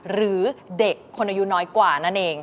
หรือเด็กคนอายุน้อยกว่านั่นเอง